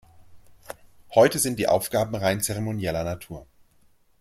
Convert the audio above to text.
Heute sind die Aufgaben rein zeremonieller Natur.